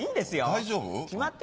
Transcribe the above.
大丈夫？